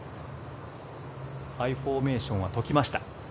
アイフォーメーションは解きました。